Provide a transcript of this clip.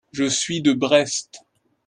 Je suis de Brest.